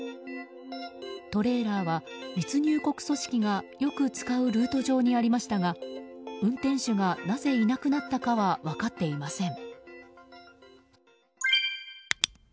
トレーラーは、密入国組織がよく使うルート上にありましたが運転手がなぜいなくなったかは分かっていません。